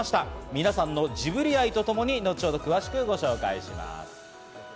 皆さんのジブリ愛とともに後ほど詳しくご紹介します。